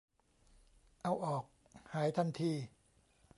เอาออก หายทันที